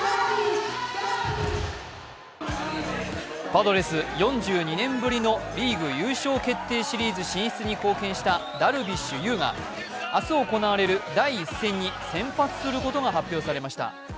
パドレス、４２年ぶりのリーグ優勝決定シリーズ進出に貢献したダルビッシュ有が、明日行われる第１戦に先発することが発表されました。